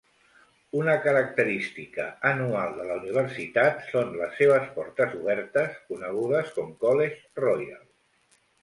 Una característica anual de la universitat són les seves portes obertes, conegudes com College Royal.